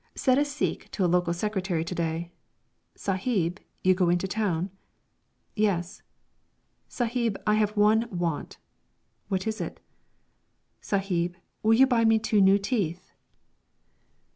Said a Sikh to a local secretary to day: "Sahib, you go into town?" "Yes." "Sahib, I have one want." "What is it?" "Sahib, will you buy me two new teeth?"